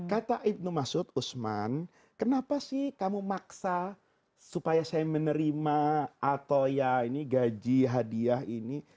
kata ibnu maksud usman kenapa sih kamu maksa supaya saya menerima atau ya ini gaji hadiah ini